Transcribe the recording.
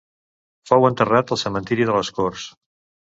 Fou enterrat al cementiri de les Corts.